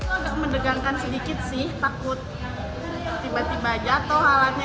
agak mendegangkan sedikit sih takut tiba tiba jatuh alatnya